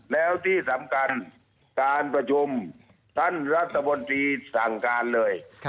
แล้วที่สำคัญการประชุมท่านรัฐบนตรีสั่งการเลย